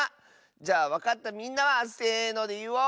じゃあわかったみんなはせのでいおう！